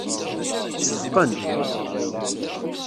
Seffqen.